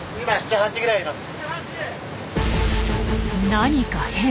何か変。